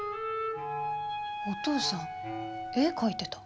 お父さん絵描いてた。